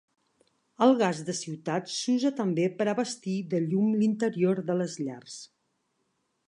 El gas de ciutat s'usà també per a abastir de llum l'interior de les llars.